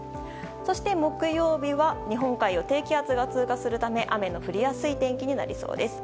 そして、木曜日は日本海を低気圧が通過するため雨の降りやすい天気になりそうです。